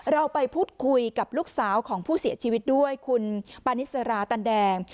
เราไปพูดคุยกับลูกสาวของผู้เสียชีวิตด้วยคุณปานิสราตันแดง